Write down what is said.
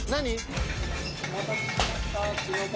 お待たせしました。